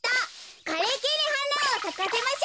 かれきにはなをさかせましょう。